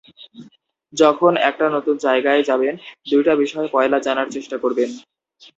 যখন একটা নতুন জায়গায় যাবেন, দুইটা বিষয় পয়লা জানার চেষ্টা করবেন।